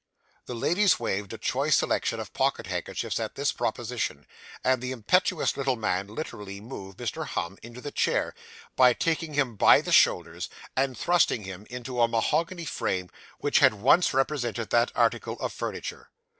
The ladies waved a choice selection of pocket handkerchiefs at this proposition; and the impetuous little man literally moved Mr. Humm into the chair, by taking him by the shoulders and thrusting him into a mahogany frame which had once represented that article of furniture.